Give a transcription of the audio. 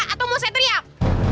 atau mau saya teriak